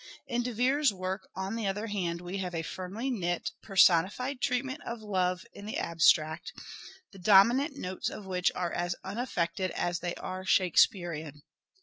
In De Vere's work on the other hand we have a firmly knit personified treatment of Love in the abstract, the dominant notes of which are as unaffected as they are Shakespearean.